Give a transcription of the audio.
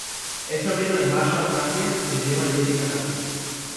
Es sobrino de Marshall Napier y primo de Jessica Napier.